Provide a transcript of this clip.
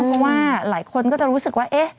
เพราะว่าหลายคนก็จะรู้สึกว่า